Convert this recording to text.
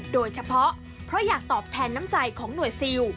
โดยเฉพาะเพราะอยากตอบแทนน้ำใจของหน่วยซิล